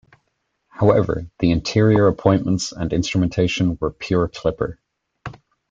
However, the interior appointments and instrumentation were pure Clipper.